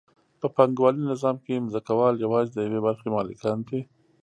په پانګوالي نظام کې ځمکوال یوازې د یوې برخې مالکان دي